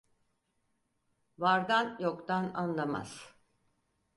Vardan, yoktan anlamaz.